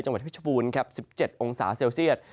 จังหวัดพิชภูมิ๑๗องศาเซลเซียต